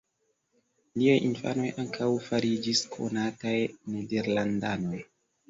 Liaj infanoj ankaŭ fariĝis konataj nederlandanoj.